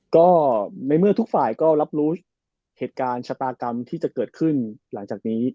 ก็ในเมื่อทุกฝ่ายก็รับรู้เหตุการณ์ชะตากรรมที่จะเกิดขึ้นหลังจากนี้